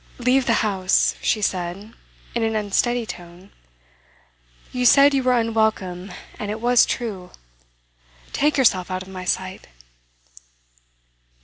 'Leave the house,' she said, in an unsteady tone. 'You said you were unwelcome, and it was true. Take yourself out of my sight!